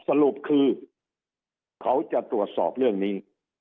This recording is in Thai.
สรุปคือเขาจะตรวจสอบเรื่องนี้